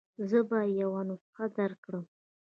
زه به يې یوه نسخه درکړم.